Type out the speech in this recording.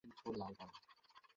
কী হলো, ভাইয়া?